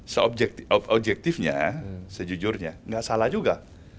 seobjektifnya sejujurnya nggak salah juga